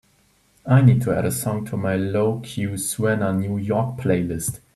I need to add a song to my lo que suena new york playlist.